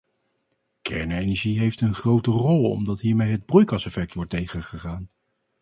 Kernenergie heeft een grote rol omdat hiermee het broeikaseffect wordt tegengegaan.